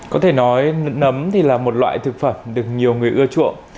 có thể nói nấm thì là một loại thực phẩm được nhiều người ưa chuộng